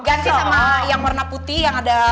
ganti sama yang warna putih yang ada